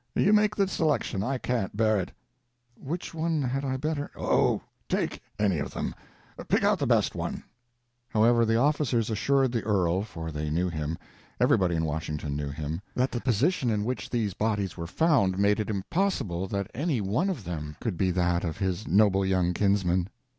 You make the selection, I can't bear it." "Which one had I better—" "Oh, take any of them. Pick out the best one." However, the officers assured the earl—for they knew him, everybody in Washington knew him—that the position in which these bodies were found made it impossible that any one of them could be that of his noble young kinsman.